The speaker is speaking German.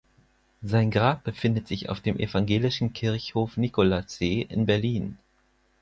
Sein Grab befindet sich auf dem Evangelischen Kirchhof Nikolassee in Berlin.